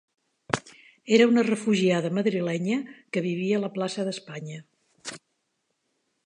Era una refugiada madrilenya que vivia a la plaça d'Espanya.